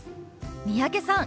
三宅さん